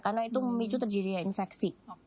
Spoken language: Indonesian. karena itu memicu terjadinya infeksi